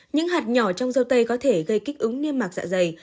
những hạt nhỏ trong dâu tây có thể gây kích ứng niêm mạc dạ dày